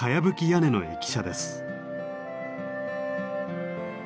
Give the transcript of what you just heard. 屋根の駅舎です。